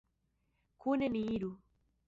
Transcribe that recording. Kune ni iru!